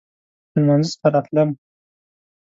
له لمانځه څخه راتلم.